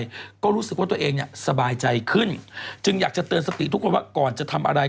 ตัวเองก็รู้สึกว่าตัวเองเนี่ยสบายใจขึ้นจึงอยากจะเตือนสติทุกคนว่าก่อนจะทำอะไร